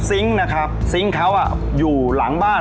ซิงค์นะครับซิงค์เขาอยู่หลังบ้าน